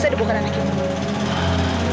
saya dibuka lagi